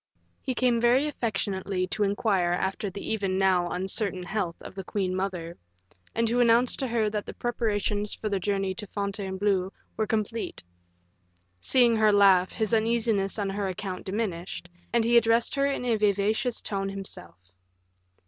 He came very affectionately to inquire after the even now uncertain health of the queen mother, and to announce to her that the preparations for the journey to Fontainebleau were complete. Seeing her laugh, his uneasiness on her account diminished, and he addressed her in a vivacious tone himself.